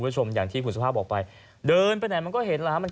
คุณผู้ชมอย่างที่คุณสุภาพบอกไปเดินไปไหนมันก็เห็นแล้วฮะมัน